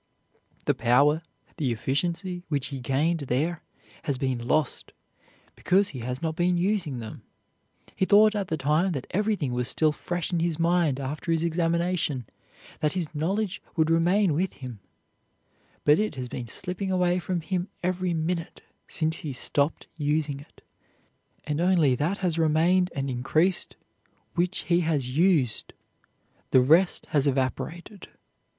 The power, the efficiency which he gained there has been lost because he has not been using them. He thought at the time that everything was still fresh in his mind after his examination that this knowledge would remain with him, but it has been slipping away from him every minute since he stopped using it, and only that has remained and increased which he has used; the rest has evaporated.